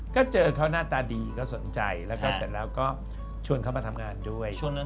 ก็เจอเขาหน้าตาดีก็สนใจแล้วก็เสร็จแล้วก็ชวนเขามาทำงานด้วย